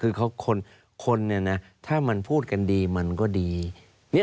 คือคนถ้ามันพูดกันดีมันก็ดี